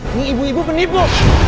ini ibu ibu penipu